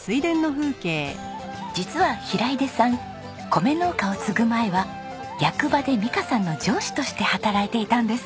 実は平出さん米農家を継ぐ前は役場で美香さんの上司として働いていたんです。